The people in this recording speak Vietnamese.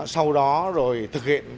sau đó rồi thực hiện